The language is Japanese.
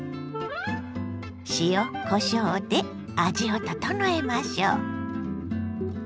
塩こしょうで味を調えましょう。